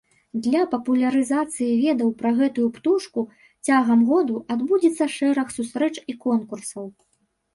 Для папулярызацыі ведаў пра гэтую птушку цягам году адбудзецца шэраг сустрэч і конкурсаў.